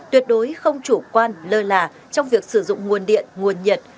tuyệt đối không chủ quan lơ là trong việc sử dụng nguồn điện nguồn nhiệt